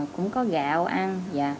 cũng có gạo ăn